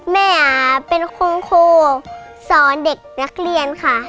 แม่เป็นคุณครูสอนเด็กนักเรียนค่ะ